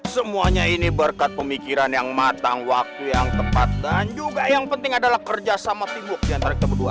semuanya ini berkat pemikiran yang matang waktu yang tepat dan juga yang penting adalah kerjasama timbul diantara kita berdua